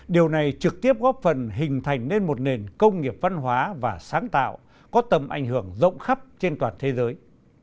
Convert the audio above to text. điều này trực tiếp góp phần hình thành nên một nền công nghiệp văn hóa và sáng tạo có tầm ảnh hưởng rộng khắp trên toàn thế giới